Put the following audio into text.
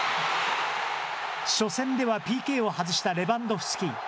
初戦ではＰＫを外したレバンドフスキ。